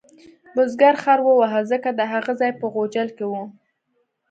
بزګر خر وواهه ځکه د هغه ځای په غوجل کې و.